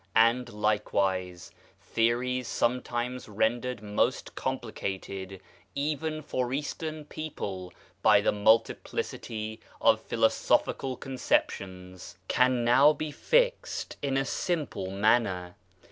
And likewise theories sometimes rendered most complicated even for Eastern people, by the multiplicity of philosophical con ceptions, can now be fixed in a simple manner.